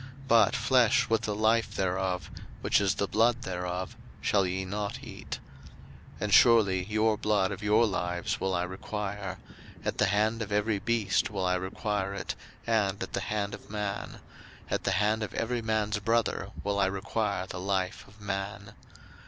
01:009:004 But flesh with the life thereof, which is the blood thereof, shall ye not eat. 01:009:005 And surely your blood of your lives will I require; at the hand of every beast will I require it, and at the hand of man; at the hand of every man's brother will I require the life of man.